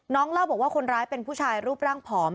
เล่าบอกว่าคนร้ายเป็นผู้ชายรูปร่างผอม